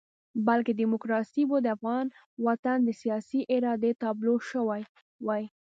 بلکې ډیموکراسي به د افغان وطن د سیاسي ارادې تابلو شوې وای.